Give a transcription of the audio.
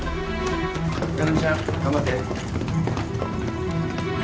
七海ちゃん頑張って。